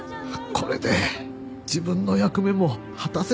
これで自分の役目も果たせた。